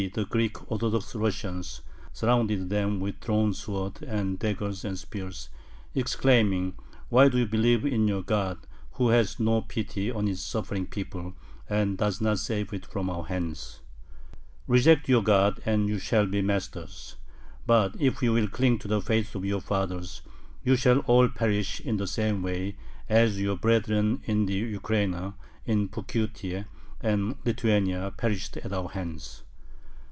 e._ the Greek Orthodox Russians] surrounded them with drawn swords, and with daggers and spears, exclaiming: "Why do you believe in your God, who has no pity on His suffering people, and does not save it from our hands? Reject your God, and you shall be masters! But if you will cling to the faith of your fathers, you shall all perish in the same way as your brethren in the Ukraina, in Pokutye, and Lithuania perished at our hands."